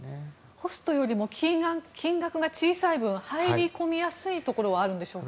ホストよりも金額が小さい分入り込みやすいところはあるんでしょうか。